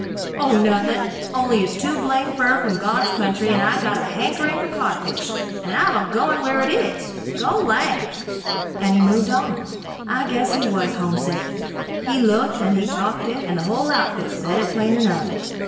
"Oh nothing, only it's too blamed fur from God's country and I got to hankering fer codfish and I'm agoin' where it is. Go lang!" and he moved on. I guess he was homesick. He looked, and he talked it and the whole outfit said it plain enough.